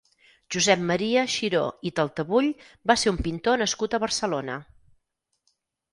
Josep Maria Xiró i Taltabull va ser un pintor nascut a Barcelona.